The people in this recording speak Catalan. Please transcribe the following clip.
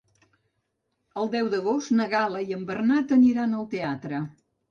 El deu d'agost na Gal·la i en Bernat aniran al teatre.